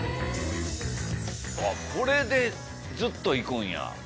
これでずっといくんや。